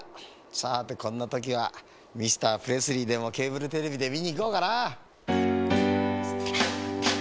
さてこんなときはミスタープレスリーでもケーブルテレビでみにいこうかな。